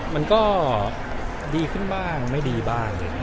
มันก็ดีขึ้นบ้างไม่ดีบ้าง